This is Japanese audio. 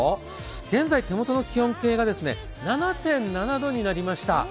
現在、手元の気温計が７．７度になりました。